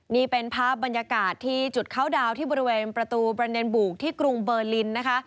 นี่เป็นภาพบรรยากาศที่จุดเข้าดาวน์ที่บริเวณประตูประเด็นบุกที่กรุงเบอร์ลินนะคะ